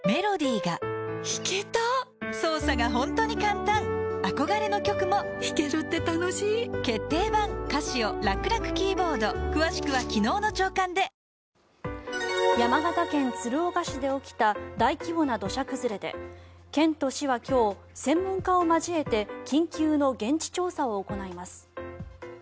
店の方、それから報道陣山形県鶴岡市で起きた大規模な土砂崩れで県と市は今日、専門家を交えて緊急の現地調査を行います。